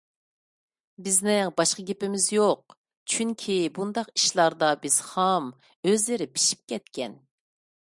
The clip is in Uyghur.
بىزنىڭ باشقا گېپىمىز يوق. چۈنكى، بۇنداق ئىشلاردا بىز خام، ئۆزلىرى پىشىپ كەتكەن.